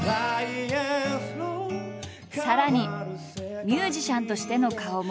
さらにミュージシャンとしての顔も。